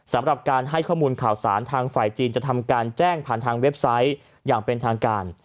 สำหรับการให้ข้อมูลข่าวสารทางฝ่ายจีนจะทำการแจ้งผ่านทางเว็บไซต์อย่างเป็นทางการ